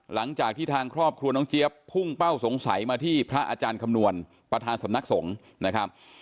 หลังจากที่ทางครอบครัวน้องเจี๊ยบพุ่งเป้าสงสัยมาที่พระอาจารย์คำนวณประธานสำนักสงฆ์นะครับ